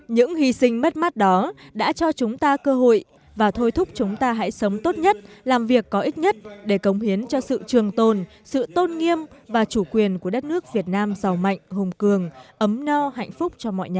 những hy sinh mất mát đó đã cho chúng ta cơ hội và thôi thúc chúng ta hãy sống tốt nhất làm việc có ích nhất để cống hiến cho sự trường tồn sự tôn nghiêm và chủ quyền của đất nước việt nam giàu mạnh hùng cường ấm no hạnh phúc cho mọi nhà